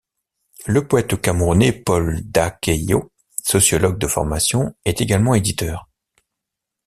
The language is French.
Le poète camerounais Paul Dakeyo, sociologue de formation, est également éditeur.